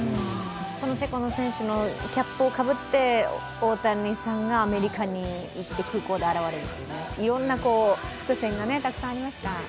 そのチェコの選手のキャップをかぶって大谷さんがアメリカに行って、空港で現れるという、いろんな伏線がたくさんありました。